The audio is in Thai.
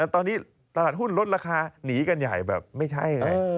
ตอนนี้ตลาดหุ้นลดราคาหนีกันใหญ่แบบไม่ใช่